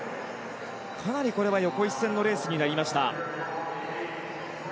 かなり横一線のレースになりました。